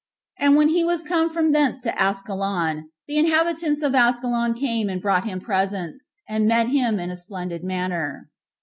And when he was come from thence to Askelon, the inhabitants of Askelon came and brought him presents, and met him in a splendid manner.